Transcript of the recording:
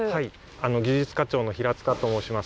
技術課長の平と申します。